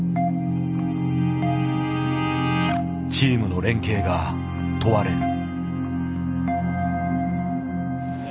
チームの連携が問われる。